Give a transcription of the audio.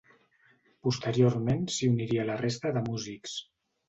Posteriorment s'hi uniria la resta de músics.